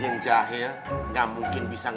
ini gegeran udah di unboxing